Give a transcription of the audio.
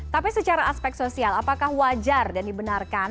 tapi secara aspek sosial apakah wajar dan dibenarkan